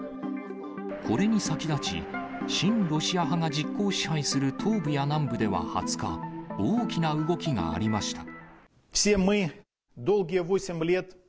これに先立ち、親ロシア派が実効支配する東部や南部では２０日、大きな動きがありました。